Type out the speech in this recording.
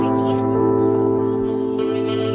แล้วนี่เขาเป็นแม่